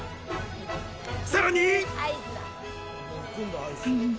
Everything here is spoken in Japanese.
さらに。